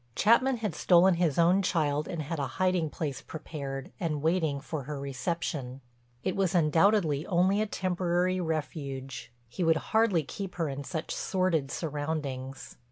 Chapman had stolen his own child and had a hiding place prepared and waiting for her reception. It was undoubtedly only a temporary refuge, he would hardly keep her in such sordid surroundings.